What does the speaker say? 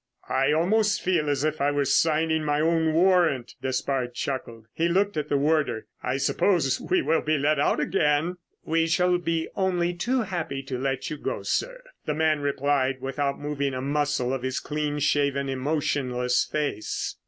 "I almost feel as if I were signing my own warrant," Despard chuckled. He looked at the warder. "I suppose we shall be let out again?" "We shall be only too happy to let you go, sir," the man replied without moving a muscle of his clean shaven, emotionless face.